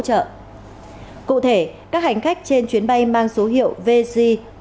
trong khi đó bộ y tế đã ra thông báo khẩn đề nghị các hành khách trên chuyến bay mang số hiệu vg bốn trăm năm mươi tám